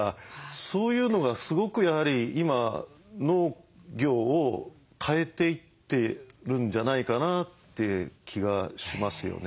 そういうのがすごくやはり今農業を変えていってるんじゃないかなって気がしますよね。